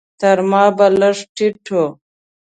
تر ما به لږ څه ټيټ و.